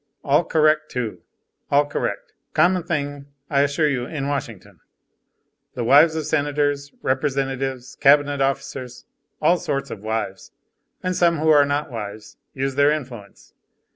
All correct, too, all correct. Common thing, I assure you in Washington; the wives of senators, representatives, cabinet officers, all sorts of wives, and some who are not wives, use their influence.